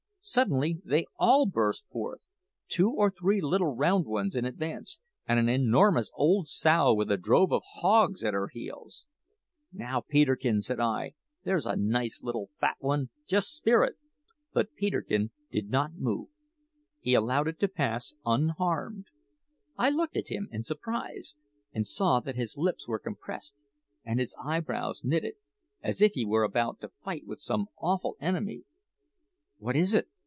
Suddenly they all burst forth two or three little round ones in advance, and an enormous old sow with a drove of hogs at her heels. "Now, Peterkin," said I, "there's a nice little fat one; just spear it." But Peterkin did not move; he allowed it to pass unharmed. I looked at him in surprise, and saw that his lips were compressed and his eyebrows knitted, as if he were about to fight with some awful enemy. "What is it?"